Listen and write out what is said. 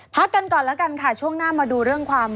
พักกันก่อนแล้วกันค่ะช่วงหน้ามาดูเรื่องความ